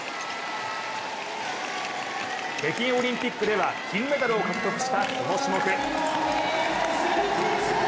北京オリンピックでは金メダルを獲得したこの種目。